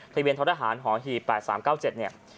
ทะเลเวียนทรหารหฮ๘๓๙๗เนี่ย